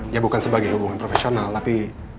ya bukan sebagai hubungan profesional tapi